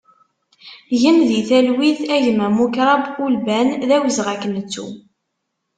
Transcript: Gen di talwit a gma Mukrab Ulban, d awezɣi ad k-nettu!